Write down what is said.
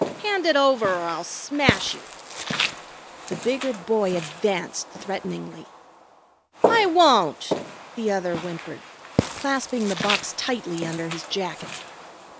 Hand it over, or I'll smash you!" The bigger boy advanced threateningly. "I won't!" the other whimpered, clasping the box tightly under his jacket.